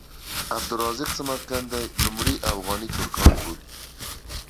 عبدالرزاق سمرقندي لومړی اوغاني ترکان بولي.